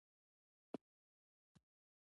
له قیدونو کړئ ازادي